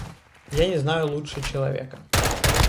Я не знаю лучше человека.